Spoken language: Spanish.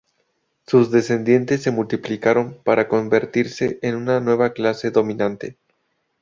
Sus descendientes se multiplicaron para convertirse en una nueva clase dominante.